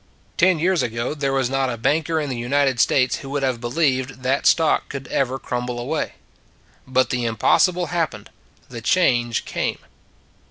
Ten years ago there was not a 60 It s a Good Old World banker in the United States who would have believed that stock could ever crum ble away. But the impossible happened : the change came.